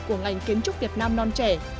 của ngành kiến trúc việt nam non trẻ